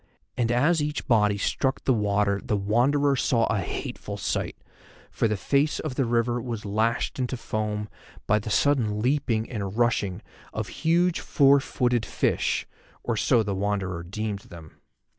And as each body struck the water the Wanderer saw a hateful sight, for the face of the river was lashed into foam by the sudden leaping and rushing of huge four footed fish, or so the Wanderer deemed them.